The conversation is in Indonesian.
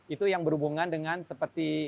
itu yang berhubungan dengan seperti